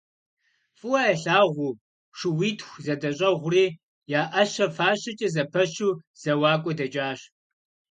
ФӀыуэ ялъагъуу шууитху зэдэщӀагъури я Ӏэщэ фащэкӀэ зэпэщу зэуакӀуэ дэкӀащ.